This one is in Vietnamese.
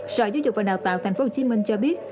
sở giáo dục và đào tạo tp hcm cho biết